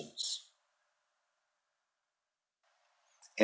THE END.